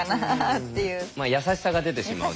優しさが出てしまうと。